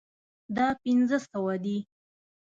دا پنځه سوه دي